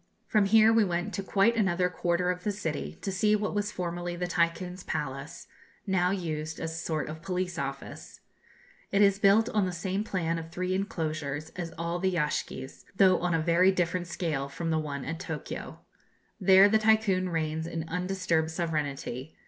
From here we went to quite another quarter of the city to see what was formerly the Tycoon's palace, now used as a sort of police office. It is built on the same plan of three enclosures as all the yashgis, though on a very different scale from the one at Tokio. There, the Tycoon reigns in undisturbed sovereignty.